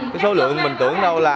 cái số lượng mình tưởng đâu là